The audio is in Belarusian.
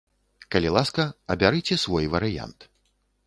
Калі ласка, абярыце свой варыянт.